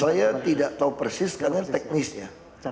saya tidak tahu persis karena teknisnya